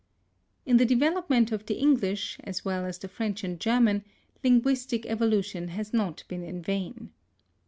In the development of the English, as well as the French and German, linguistic evolution has not been in vain.